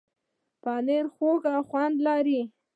پنېر خوږ خوند لري.